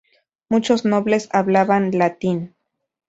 Muchos nobles hablaban latín.